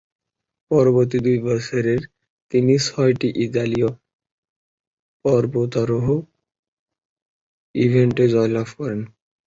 পরবর্তী দুই বছরে তিনি ছয়টি ইতালীয় পর্বতারোহণ ইভেন্টে জয়লাভ করেন।